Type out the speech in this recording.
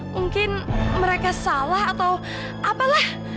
mungkin mereka salah atau apalah